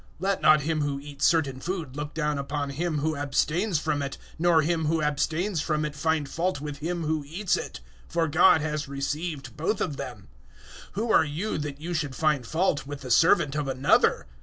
014:003 Let not him who eats certain food look down upon him who abstains from it, nor him who abstains from it find fault with him who eats it; for God has received both of them. 014:004 Who are you that you should find fault with the servant of another?